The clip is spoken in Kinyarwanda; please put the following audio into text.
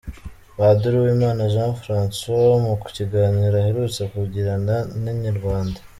Padiri Uwimana Jean Francois mu kiganiro aherutse kugirana na Inyarwanda.